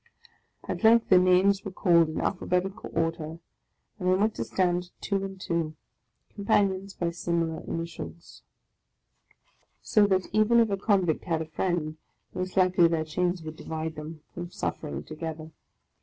At length the names were called in alphabetical order, and they went to stand two and two, companions by similar in OF A CONDEMNED 57 itials ; so that even if a convict had a friend, most likely their chains would divide them from suffering together.